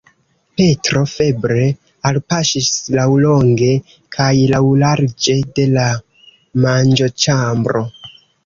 Petro febre alpaŝis laŭlonge kaj laŭlarĝe de la manĝoĉambro.